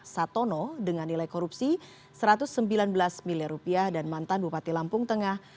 satono dengan nilai korupsi satu ratus sembilan belas miliar rupiah dan mantan bupati lampung tengah